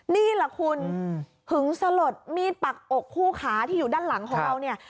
นี่แหละคุณหึงสลดมีดปักอกคู่ขาที่อยู่ด้านหลังของเราเนี่ย